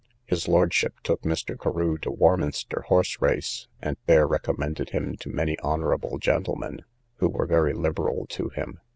His lordship took Mr. Carew to Warminster horserace, and there recommended him to many honourable gentlemen, who were very liberal to him.